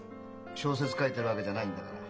小説書いてるわけじゃないんだから。